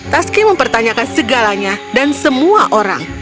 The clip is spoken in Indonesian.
taski mempertanyakan segalanya dan semua orang